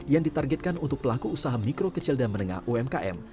yang ditargetkan untuk pelaku usaha mikro kecil dan menengah umkm